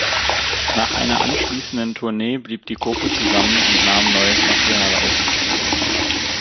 Nach einer anschließenden Tournee blieb die Gruppe zusammen und nahm neues Material auf.